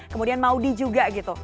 kemudian maudie juga gitu